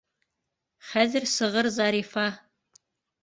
Хәҙер сығыр Зарифа...